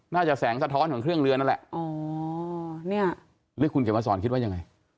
แสงสะท้อนของเครื่องเรือนั่นแหละอ๋อเนี่ยหรือคุณเขียนมาสอนคิดว่ายังไง